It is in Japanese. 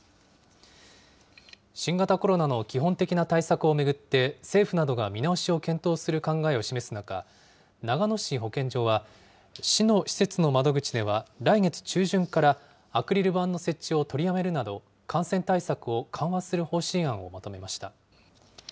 新型コロナの基本的な対策を巡って、政府などが見直しを検討する考えを示す中、長野市保健所は、市の施設の窓口では、来月中旬からアクリル板の設置を取りやめるなど、感染対策を緩和する方針案をまとめました。